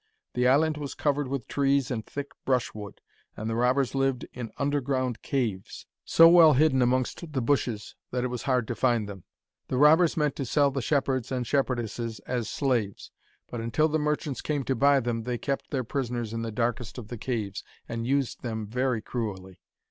The island was covered with trees and thick brushwood, and the robbers lived in underground caves, so well hidden amongst the bushes that it was hard to find them. The robbers meant to sell the shepherds and shepherdesses as slaves, but until merchants came to buy them they kept their prisoners in the darkest of the caves, and used them very cruelly.